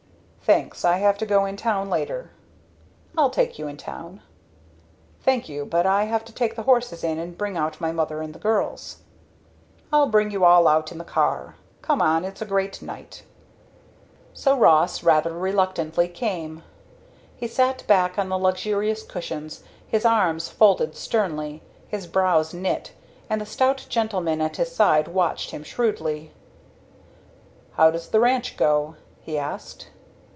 "Thanks, I have to go in town later." "I'll take you in town." "Thank you, but I have to take the horses in and bring out my mother and the girls." "I'll bring you all out in the car. Come on it's a great night." So Ross rather reluctantly came. He sat back on the luxurious cushions, his arms folded sternly, his brows knit, and the stout gentleman at his side watched him shrewdly. "How does the ranch go?" he asked.